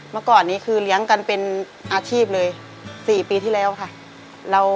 เมื่อก่อนนี้คือเลี้ยงกันเป็นอาชีพเลย๔ปีที่แล้วค่ะ